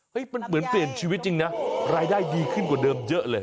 มันเหมือนเปลี่ยนชีวิตจริงนะรายได้ดีขึ้นกว่าเดิมเยอะเลย